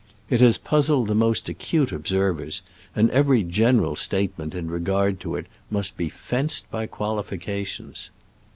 It has puzzled the most acute observers, and every general state ment in regard to it must be fenced by qualifications.